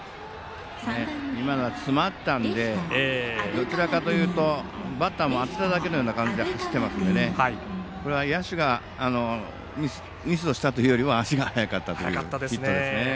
今のは詰まったのでどちらかというとバッターも当てただけのような感じで走っていますので野手がミスをしたというよりは足が速かったというヒットですね。